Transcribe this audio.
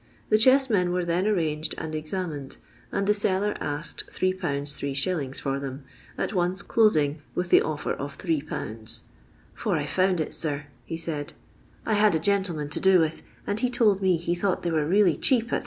The chess men were then arranged and examined, and the seller asked 3/. B*. for them, at once closing with the offer of 3/. ;" for I found, sir," he said, " I had a gentleman to do with, for he told me he thought they were really cheap at 8